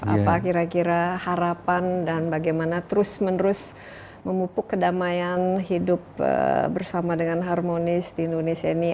apa kira kira harapan dan bagaimana terus menerus memupuk kedamaian hidup bersama dengan harmonis di indonesia ini